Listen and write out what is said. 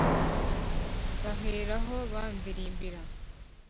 Bahera aho bandirimba